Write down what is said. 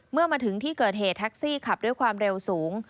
เมื่อมาถึงที่เกิดเหตุแท็กซี่ขับด้วยความเร็วสูง